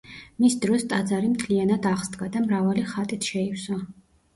მის დროს ტაძარი მთლიანად აღსდგა და მრავალი ხატით შეივსო.